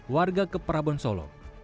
warga keprabun solo